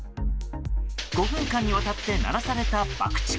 ５分間にわたって鳴らされた爆竹。